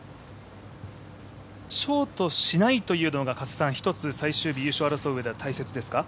ショートしないというのが最終日、優勝を争ううえでは大切ですか？